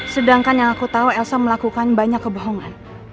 sedangkan yang aku tahu elsa melakukan banyak kebohongan